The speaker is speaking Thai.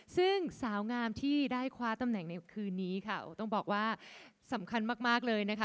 ซึ่งสาวงามที่ได้คว้าตำแหน่งในคืนนี้ค่ะต้องบอกว่าสำคัญมากเลยนะคะ